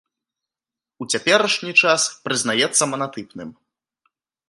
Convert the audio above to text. У цяперашні час прызнаецца манатыпным.